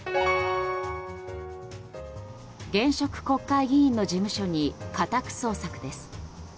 現職国会議員の事務所に家宅捜索です。